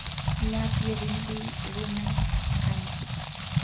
lapi rinri runam kanki.